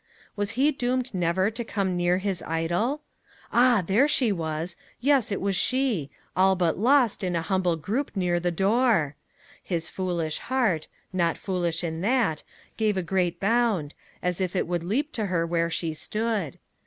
Was he doomed never to come near his idol? Ah, there she was! Yes; it was she all but lost in a humble group near the door! His foolish heart not foolish in that gave a great bound, as if it would leap to her where she stood.